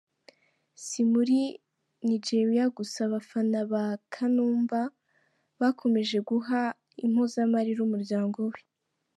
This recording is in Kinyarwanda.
Si muri Nijeriya gusa abafana ba Kanumba bakomeje guha impozamarira umuryango we.